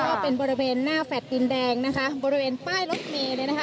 บริเวณหน้าแฟลต์ดินแดงนะคะบริเวณป้ายรถเมย์เลยนะคะ